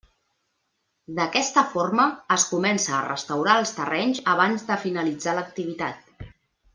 D'aquesta forma, es comença a restaurar els terrenys abans de finalitzar l'activitat.